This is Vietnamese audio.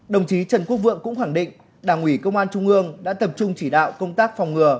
đồng chí trần quốc vượng cũng khẳng định đảng ủy công an trung ương đã tập trung chỉ đạo công tác phòng ngừa